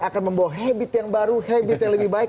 akan membawa habit yang baru habit yang lebih baik